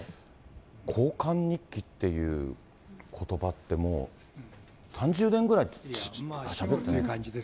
交換日記っていうことばって、もう３０年ぐらいしゃべってない。